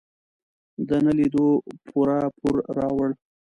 د نه لیدو پوره پور راوړ.